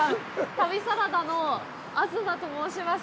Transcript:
「旅サラダ」の東と申します。